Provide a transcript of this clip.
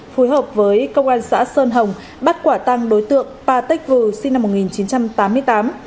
phù hợp với công an xã sơn hồng bắt quả tăng đối tượng pa tích vưu sinh năm một nghìn chín trăm tám mươi tám